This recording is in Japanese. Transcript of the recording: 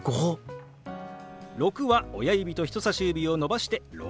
「６」は親指と人さし指を伸ばして「６」。